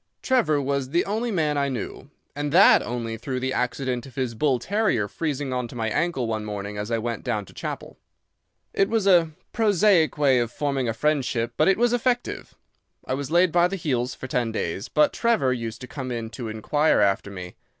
Trevor was the only man I knew, and that only through the accident of his bull terrier freezing on to my ankle one morning as I went down to chapel. "It was a prosaic way of forming a friendship, but it was effective. I was laid by the heels for ten days, but Trevor used to come in to inquire after me.